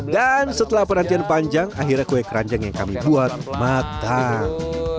dan setelah penantian panjang akhirnya kue keranjang yang kami buat matang